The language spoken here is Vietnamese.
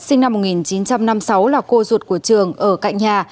sinh năm một nghìn chín trăm năm mươi sáu là cô ruột của trường ở cạnh nhà